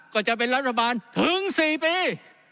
ก็จะเป็นรัฐบาลถึง๔ปี